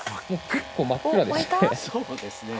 結構真っ暗ですね。